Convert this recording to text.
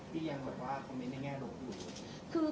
ที่ยังคอมเมนต์ในแง่โลกอยู่